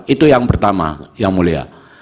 itu yang pertama yang mulia